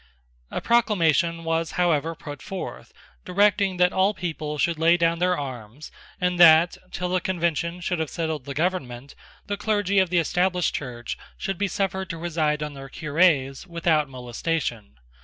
A proclamation was however put forth, directing that all people should lay down their arms, and that, till the Convention should have settled the government, the clergy of the Established Church should be suffered to reside on their cures without molestation.